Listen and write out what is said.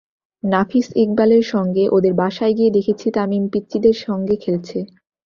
নাফিস ইকবালের সঙ্গে ওদের বাসায় গিয়ে দেখেছি তামিম পিচ্চিদের সঙ্গে খেলছে।